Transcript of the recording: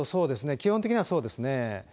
基本的にはそうですね。